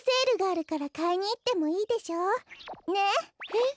えっ？